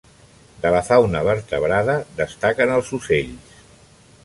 De la fauna vertebrada destaquen els ocells.